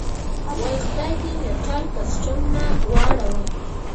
وایي: خدای دې له ټل کسټم نه واړوه.